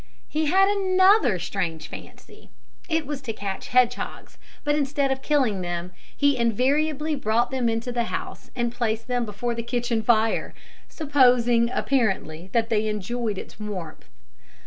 He had another strange fancy. It was to catch hedgehogs; but, instead of killing them, he invariably brought them into the house and placed them before the kitchen fire supposing, apparently, that they enjoyed its warmth.